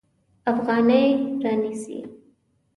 افغانۍ رانیسي.